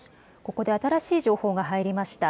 ここで新しい情報が入りました。